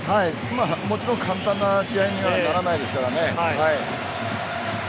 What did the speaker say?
もちろん簡単な試合にはならないですから。